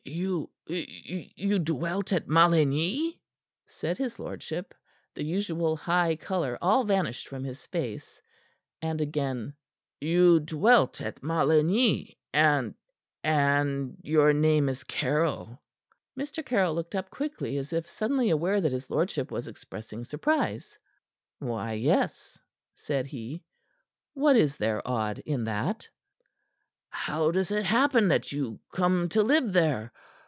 "You you dwelt at Maligny?" said his lordship, the usual high color all vanished from his face. And again: "You dwelt at Maligny, and and your name is Caryll." Mr. Caryll looked up quickly, as if suddenly aware that his lordship was expressing surprise. "Why, yes," said he. "What is there odd in that?" "How does it happen that you come to live there?